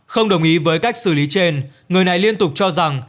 không đồng ý với cách xử lý trên người này liên tục cho rằng